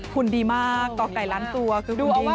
หุ่นดีมากกอกไก่ล้านตัวคือหุ่นดีจริง